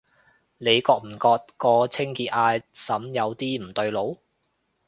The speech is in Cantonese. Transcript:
你覺唔覺個清潔阿嬸有啲唔對路？